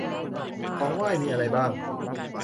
ของไหว้มีอะไรบ้าง